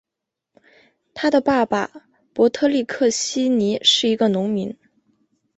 他的爸爸帕特里克希尼是一个农民。